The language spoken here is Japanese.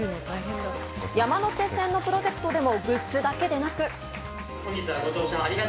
山手線のプロジェクトでもグッズだけでなく。